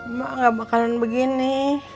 emak ga bakalan begini